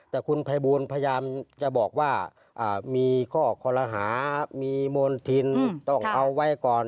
แต่คุณภัยบูลพยายามจะบอกว่ามีข้อคอลหามีมณฑินต้องเอาไว้ก่อน